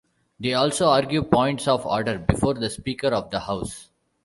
They also argue Points of Order before the Speaker of the House.